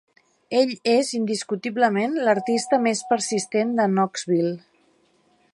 Ell és indiscutiblement l'artista més persistent de Knoxville.